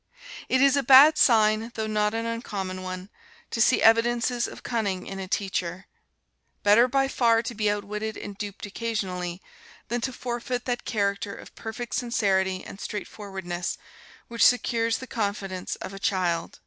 It is a bad sign, though not an uncommon one, to see evidences of cunning in a teacher. Better by far to be outwitted and duped occasionally, than to forfeit that character of perfect sincerity and straightforwardness which secures the confidence of a child.